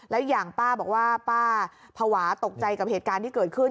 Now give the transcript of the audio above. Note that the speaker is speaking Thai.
แล้วอย่างป้าบอกว่าป้าภาวะตกใจกับเหตุการณ์ที่เกิดขึ้น